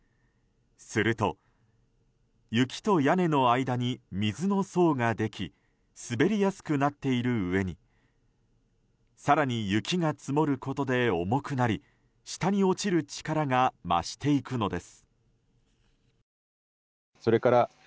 すると、雪と屋根の間に水の層ができ滑りやすくなっているうえに更に雪が積もることで重くなり下に落ちる力が増していくのです。